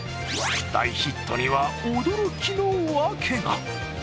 大ヒットには、驚きのわけが。